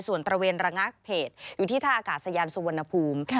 ส่วนตระเวนระงับเหตุอยู่ที่ท่าอากาศยานสุวรรณภูมิ